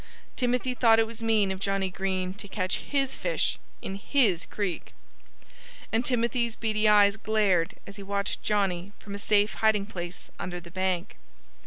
Timothy thought it was mean of Johnnie Green to catch his fish, in his creek. And Timothy's beady eyes glared as he watched Johnnie from a safe hiding place under the bank.